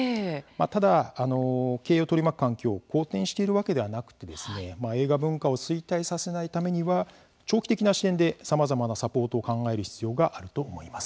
ただ、経営を取り巻く環境好転しているわけではなくて映画文化を衰退させないためには長期的な視点でさまざまなサポートを考える必要があると思います。